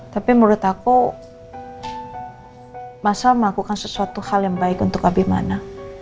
tapi menurut aku masa melakukan sesuatu hal yang baik untuk abimana